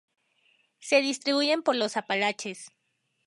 Se distribuyen por los Apalaches.